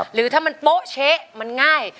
หรือถ้ามันโป๊ะเช๊ะมันง่าย